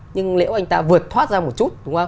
nhưng nếu anh ta vượt thoát ra một chút